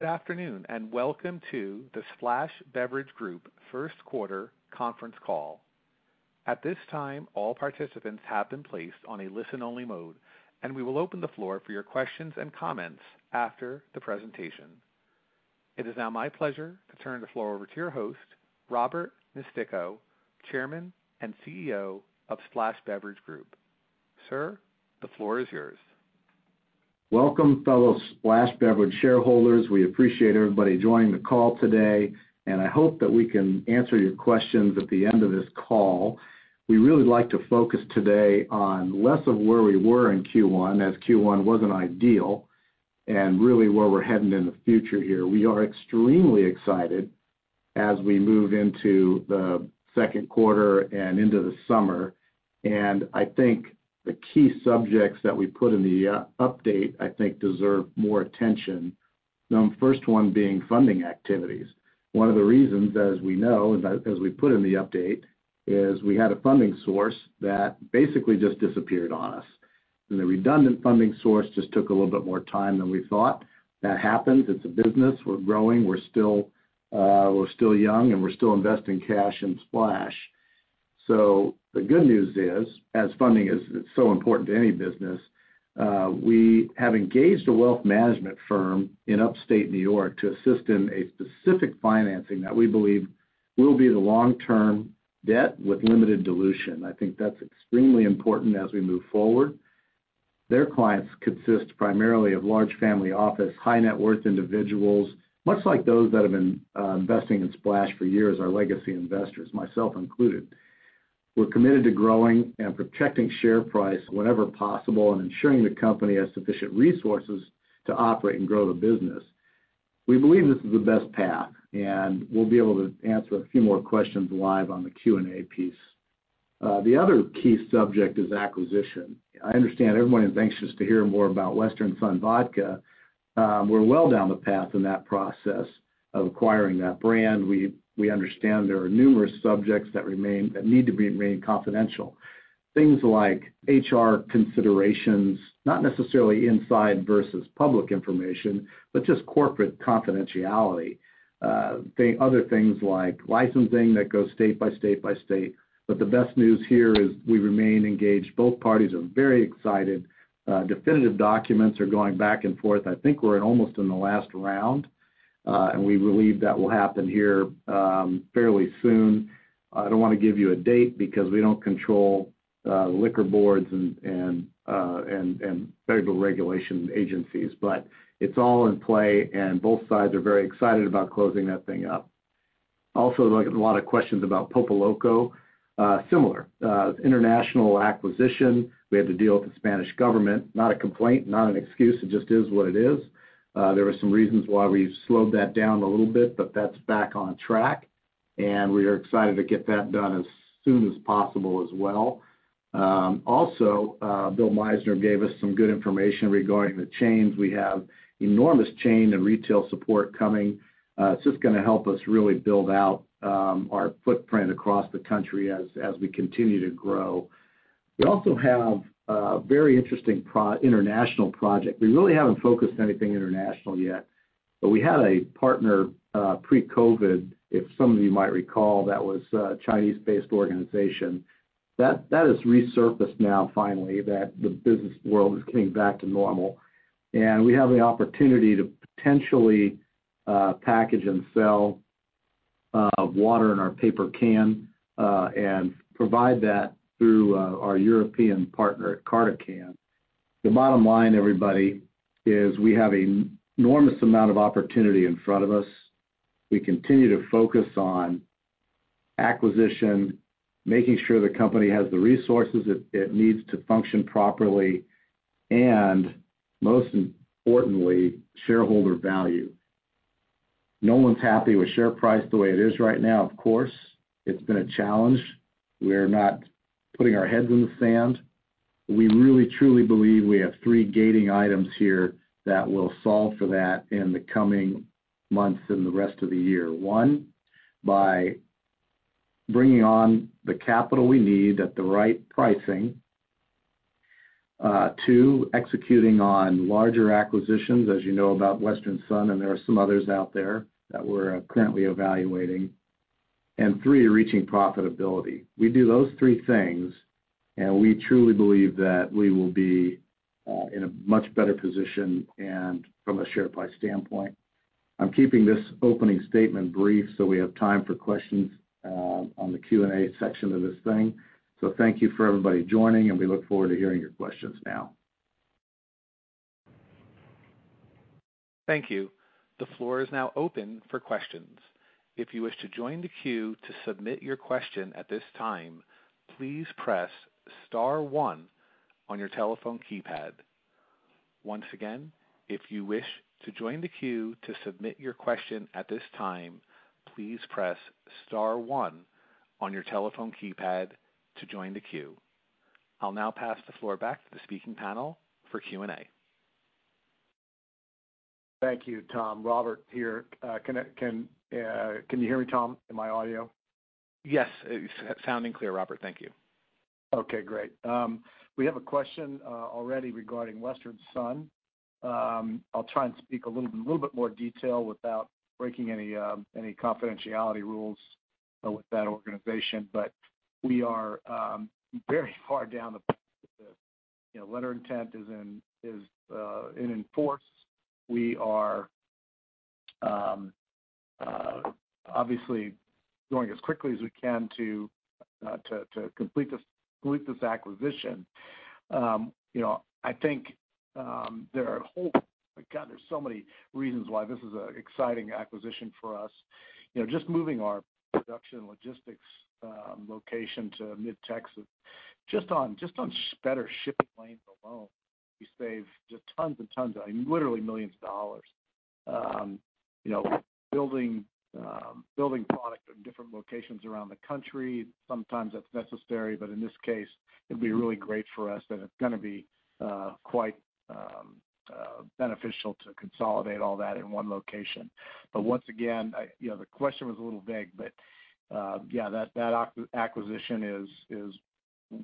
Good afternoon, and welcome to the Splash Beverage Group first quarter conference call. At this time, all participants have been placed on a listen-only mode, and we will open the floor for your questions and comments after the presentation. It is now my pleasure to turn the floor over to your host, Robert Nistico, Chairman and CEO of Splash Beverage Group. Sir, the floor is yours. Welcome, fellow Splash Beverage shareholders. We appreciate everybody joining the call today, and I hope that we can answer your questions at the end of this call. We really like to focus today on less of where we were in Q1, as Q1 wasn't ideal, and really where we're heading in the future here. We are extremely excited as we move into the second quarter and into the summer, and I think the key subjects that we put in the update, I think deserve more attention. The first one being funding activities. One of the reasons, as we know, we put in the update, is we had a funding source that basically just disappeared on us. The redundant funding source just took a little bit more time than we thought. That happens. It's a business. We're growing, we're still, we're still young, and we're still investing cash in Splash. So the good news is, as funding is so important to any business, we have engaged a wealth management firm in Upstate New York to assist in a specific financing that we believe will be the long-term debt with limited dilution. I think that's extremely important as we move forward. Their clients consist primarily of large family office, high net worth individuals, much like those that have been, investing in Splash for years, our legacy investors, myself included. We're committed to growing and protecting share price whenever possible and ensuring the company has sufficient resources to operate and grow the business. We believe this is the best path, and we'll be able to answer a few more questions live on the Q&A piece. The other key subject is acquisition. I understand everyone is anxious to hear more about Western Son Vodka. We're well down the path in that process of acquiring that brand. We understand there are numerous subjects that remain that need to remain confidential. Things like HR considerations, not necessarily inside versus public information, but just corporate confidentiality. Other things like licensing that goes state by state by state. But the best news here is we remain engaged. Both parties are very excited. Definitive documents are going back and forth. I think we're almost in the last round, and we believe that will happen here fairly soon. I don't wanna give you a date because we don't control liquor boards and federal regulation agencies, but it's all in play, and both sides are very excited about closing that thing up. Also, there's a lot of questions about Pulpoloco. Similar international acquisition. We had to deal with the Spanish government. Not a complaint, not an excuse. It just is what it is. There were some reasons why we slowed that down a little bit, but that's back on track, and we are excited to get that done as soon as possible as well. Also, Bill Meissner gave us some good information regarding the chains. We have enormous chain and retail support coming. It's just gonna help us really build out our footprint across the country as we continue to grow. We also have a very interesting international project. We really haven't focused anything international yet, but we had a partner pre-COVID, if some of you might recall, that was a Chinese-based organization. That has resurfaced now, finally, that the business world is coming back to normal. We have the opportunity to potentially package and sell water in our paper can and provide that through our European partner at CartoCan. The bottom line, everybody, is we have an enormous amount of opportunity in front of us. We continue to focus on acquisition, making sure the company has the resources it needs to function properly, and most importantly, shareholder value. No one's happy with share price the way it is right now. Of course, it's been a challenge. We're not putting our heads in the sand. We really, truly believe we have three gating items here that will solve for that in the coming months and the rest of the year. One, by bringing on the capital we need at the right pricing. Two, executing on larger acquisitions, as you know about Western Son, and there are some others out there that we're currently evaluating. Three, reaching profitability. We do those three things, and we truly believe that we will be in a much better position and from a share price standpoint. I'm keeping this opening statement brief, so we have time for questions on the Q&A section of this thing. Thank you for everybody joining, and we look forward to hearing your questions now. Thank you. The floor is now open for questions. If you wish to join the queue to submit your question at this time, please press star one on your telephone keypad. Once again, if you wish to join the queue to submit your question at this time, please press star one on your telephone keypad to join the queue. I'll now pass the floor back to the speaking panel for Q&A. Thank you, Tom. Robert here. Can you hear me, Tom? Am I audible? Yes, sounding clear, Robert. Thank you. Okay, great. We have a question already regarding Western Son. I'll try and speak a little bit more detail without breaking any confidentiality rules with that organization, but we are very far down the road. You know, letter of intent is in force. We are obviously going as quickly as we can to complete this acquisition. You know, I think there are a whole-- my God, there's so many reasons why this is an exciting acquisition for us. You know, just moving our production logistics location to Mid-Texas, just on better shipping lanes alone, we save just tons and tons of, I mean, literally $ millions. You know, building product in different locations around the country, sometimes that's necessary, but in this case, it'd be really great for us, and it's gonna be quite beneficial to consolidate all that in one location. But once again, I... You know, the question was a little vague, but yeah, that acquisition is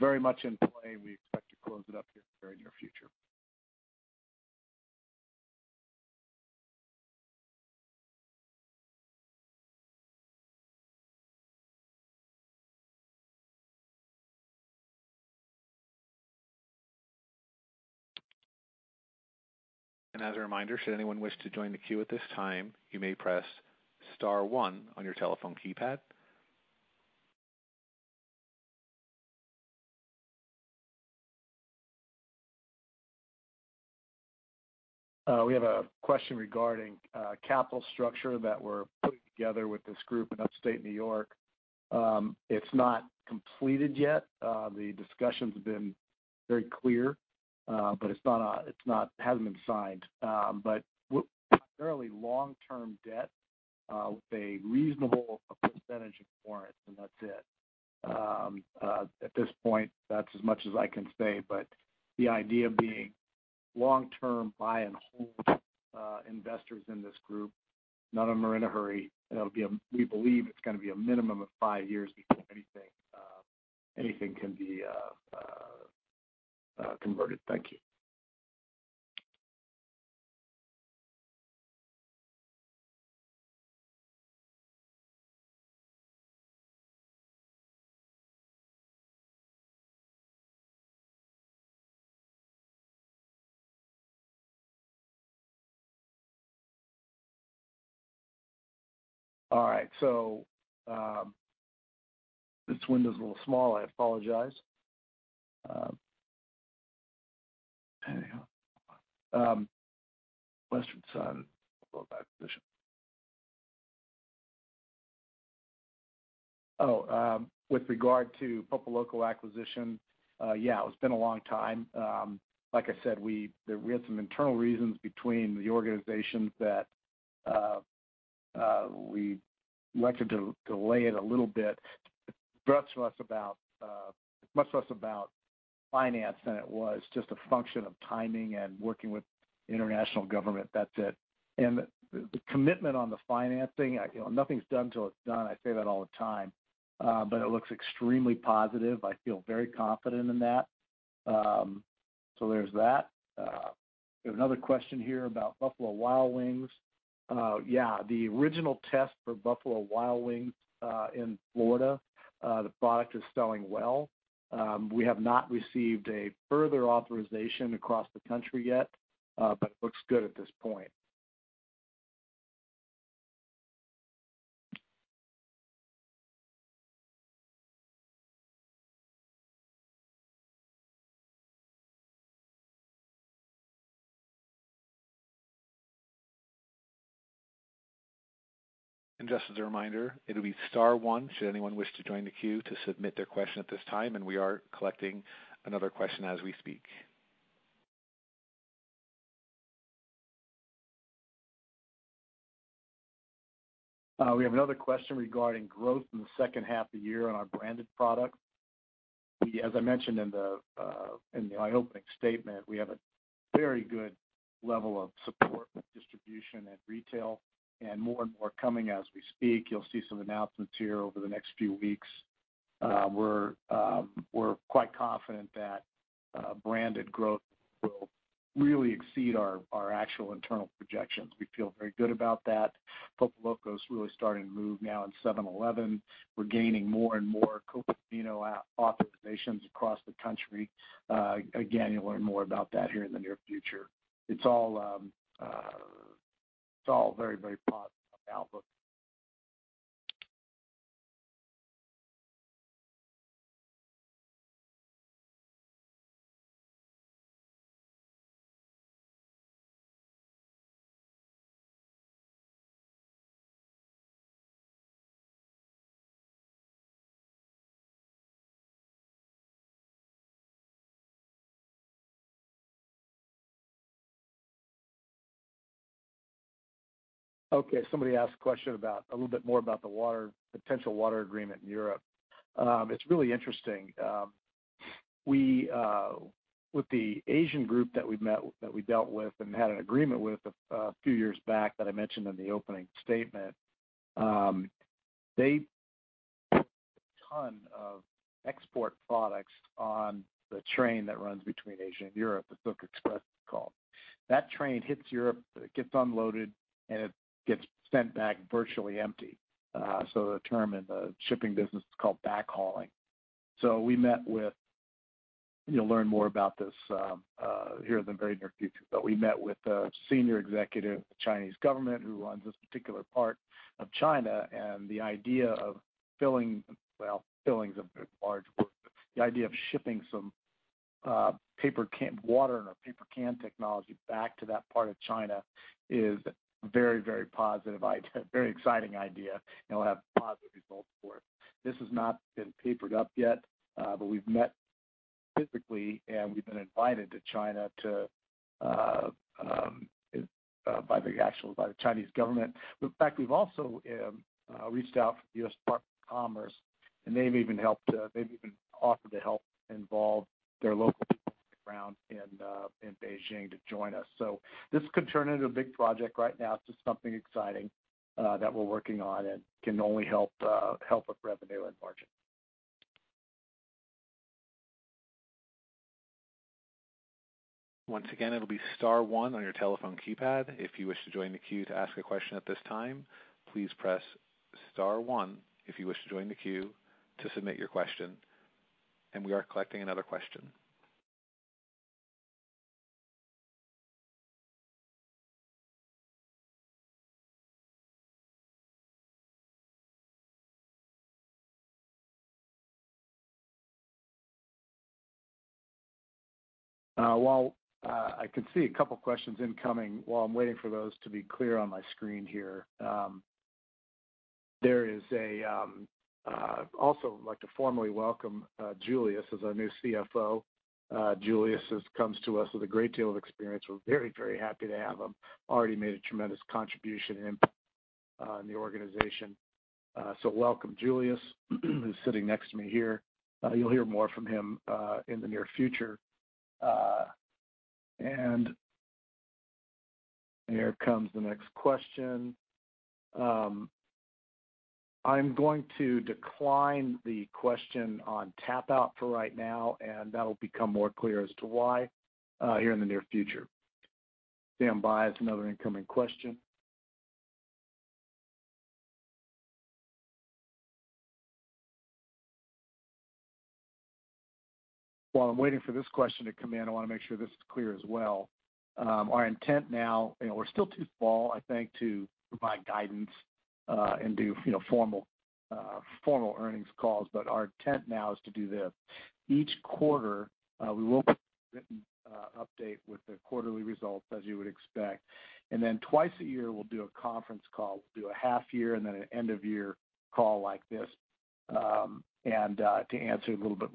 very much in play. We expect to close it up here in the very near future. As a reminder, should anyone wish to join the queue at this time, you may press star one on your telephone keypad. We have a question regarding capital structure that we're putting together with this group in Upstate New York. It's not completed yet. The discussions have been very clear, but it hasn't been signed. But we're fairly long-term debt with a reasonable percentage of warrants, and that's it. At this point, that's as much as I can say, but the idea being long-term buy and hold investors in this group, none of them are in a hurry. It'll be a, we believe it's gonna be a minimum of five years before anything can be converted. Thank you. All right, so this window is a little small, I apologize. Anyhow, Western Son acquisition. Oh, with regard to Pulpoloco acquisition, yeah, it's been a long time. Like I said, there were some internal reasons between the organizations that we elected to lay it a little bit. Much less about much less about finance than it was, just a function of timing and working with international government. That's it. And the commitment on the financing, you know, nothing's done till it's done. I say that all the time, but it looks extremely positive. I feel very confident in that. So there's that. There's another question here about Buffalo Wild Wings. Yeah, the original test for Buffalo Wild Wings in Florida, the product is selling well. We have not received a further authorization across the country yet, but it looks good at this point. Just as a reminder, it'll be star one, should anyone wish to join the queue to submit their question at this time, and we are collecting another question as we speak. We have another question regarding growth in the second half of the year on our branded product. As I mentioned in the in my opening statement, we have a very good level of support with distribution and retail, and more and more coming as we speak. You'll see some announcements here over the next few weeks. We're quite confident that branded growth will really exceed our our actual internal projections. We feel very good about that. Pulpoloco is really starting to move now in 7-Eleven. We're gaining more and more Copa Di Vino authorizations across the country. Again, you'll learn more about that here in the near future. It's all it's all very, very positive outlook. Okay, somebody asked a question about a little bit more about the water, potential water agreement in Europe. It's really interesting. We with the Asian group that we met, that we dealt with and had an agreement with a few years back that I mentioned in the opening statement. They tons of export products on the train that runs between Asia and Europe, the Silk Express, it's called. That train hits Europe, it gets unloaded, and it gets sent back virtually empty. So the term in the shipping business is called backhauling. So we met with, you'll learn more about this here in the very near future. But we met with a senior executive of the Chinese government who runs this particular part of China, and the idea of filling, well, filling is a bit large, but the idea of shipping some paper can water in our paper can technology back to that part of China is very, very positive idea, very exciting idea, and we'll have positive results for it. This has not been papered up yet, but we've met physically, and we've been invited to China by the actual Chinese government. In fact, we've also reached out to the U.S. Department of Commerce, and they've even helped, they've even offered to help involve their local ground in Beijing to join us. So, this could turn into a big project right now. It's just something exciting, that we're working on and can only help with revenue and margin. Once again, it'll be star one on your telephone keypad. If you wish to join the queue to ask a question at this time, please press star one if you wish to join the queue to submit your question. We are collecting another question. While, I can see a couple of questions incoming, while I'm waiting for those to be clear on my screen here, there is also I'd like to formally welcome Julius as our new CFO. Julius comes to us with a great deal of experience. We're very, very happy to have him. Already made a tremendous contribution impact in the organization. So welcome, Julius, who's sitting next to me here. You'll hear more from him in the near future. And here comes the next question. I'm going to decline the question on TapouT for right now, and that'll become more clear as to why here in the near future. Stand by, as another incoming question. While I'm waiting for this question to come in, I want to make sure this is clear as well. Our intent now, you know, we're still too small, I think, to provide guidance and do, you know, formal, formal earnings calls, but our intent now is to do this. Each quarter, we will provide a written update with the quarterly results as you would expect. And then twice a year, we'll do a conference call. We'll do a half year and then an end of year call like this, and to answer a little bit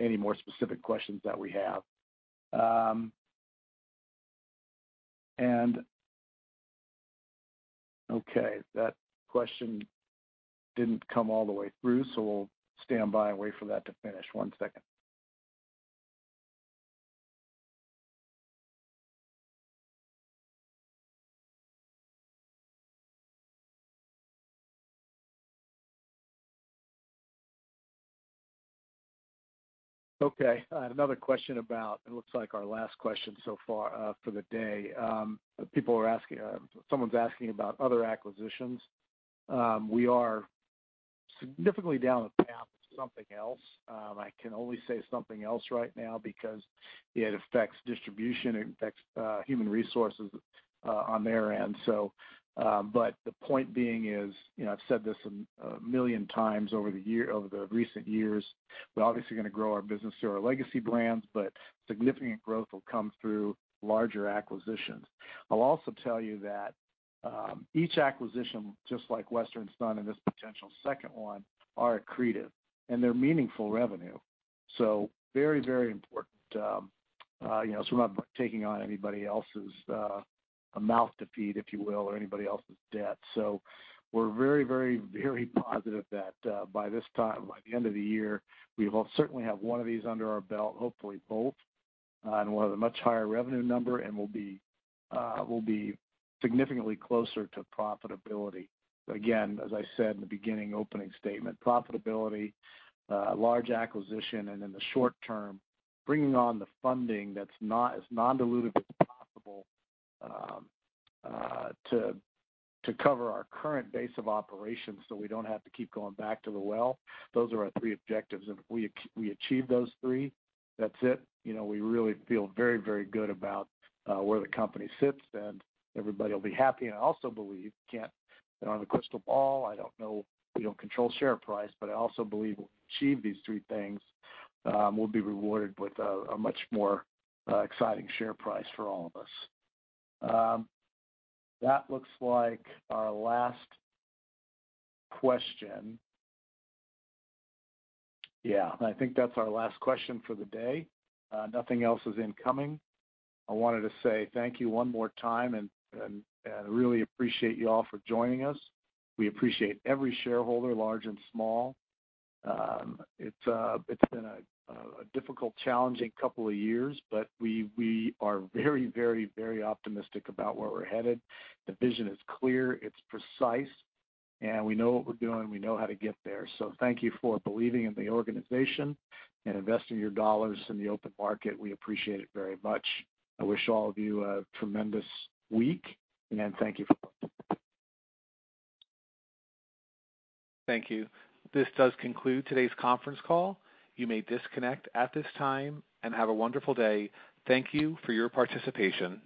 any more specific questions that we have. And... Okay, that question didn't come all the way through, so we'll stand by and wait for that to finish. One second. Okay, another question about, it looks like our last question so far, for the day. People are asking, someone's asking about other acquisitions. We are significantly down the path of something else. I can only say something else right now because it affects distribution, it affects human resources on their end. So, but the point being is, you know, I've said this a million times over the year, over the recent years, we're obviously going to grow our business through our legacy brands, but significant growth will come through larger acquisitions. I'll also tell you that, each acquisition, just like Western Son and this potential second one, are accretive and they're meaningful revenue. So very, very important. You know, so we're not taking on anybody else's mouth to feed, if you will, or anybody else's debt. So we're very, very, very positive that, by this time, by the end of the year, we will certainly have one of these under our belt, hopefully both, and we'll have a much higher revenue number and we'll be, we'll be significantly closer to profitability. Again, as I said in the beginning, opening statement, profitability, large acquisition, and in the short term, bringing on the funding that's not, as non-dilutive as possible, to, to cover our current base of operations, so we don't have to keep going back to the well. Those are our three objectives, and if we achieve those three, that's it. You know, we really feel very, very good about, where the company sits, and everybody will be happy. And I also believe, can't... On the crystal ball, I don't know, we don't control share price, but I also believe achieve these three things, we'll be rewarded with a much more exciting share price for all of us. That looks like our last question. Yeah, I think that's our last question for the day. Nothing else is incoming. I wanted to say thank you one more time and really appreciate you all for joining us. We appreciate every shareholder, large and small. It's been a difficult, challenging couple of years, but we are very, very, very optimistic about where we're headed. The vision is clear, it's precise, and we know what we're doing, we know how to get there. So, thank you for believing in the organization and investing your dollars in the open market. We appreciate it very much. I wish all of you a tremendous week, and thank you for- Thank you. This does conclude today's conference call. You may disconnect at this time and have a wonderful day. Thank you for your participation.